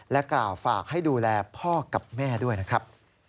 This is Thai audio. กล่าวฝากให้ดูแลพ่อกับแม่ด้วยนะครับ